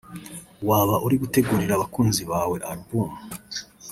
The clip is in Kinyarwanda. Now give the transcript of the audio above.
waba uri gutegurira abakunzi bawe album